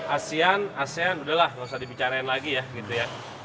asean asean udahlah nggak usah dibicarain lagi ya gitu ya